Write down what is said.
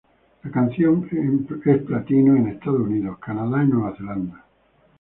La canción es platino en Estados Unidos, Canadá, Nueva Zelanda.